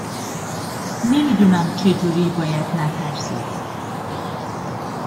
نمیدونم چه جوری باید نترسید